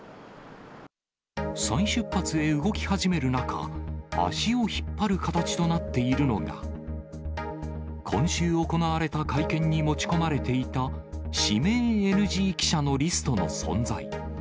再出発へ動き始める中、足を引っ張る形となっているのが、今週行われた会見に持ち込まれていた指名ＮＧ記者のリストの存在。